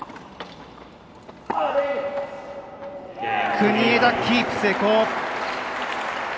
国枝、キープ成功！